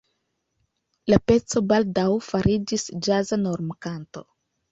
La peco baldaŭ fariĝis ĵaza normkanto.